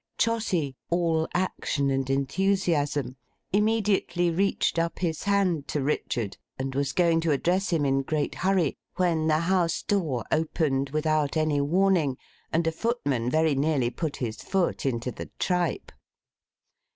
Trotty, all action and enthusiasm, immediately reached up his hand to Richard, and was going to address him in great hurry, when the house door opened without any warning, and a footman very nearly put his foot into the tripe.